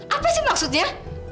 apa sih maksudnya